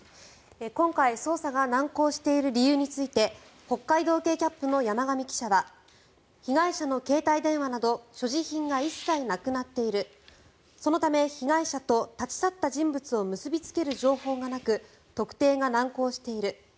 今回捜査が難航している理由について北海道警キャップの山上記者は被害者の携帯電話など所持品が一切なくなっているそのため被害者と立ち去った人物を結びつける情報がなく特定が難航している。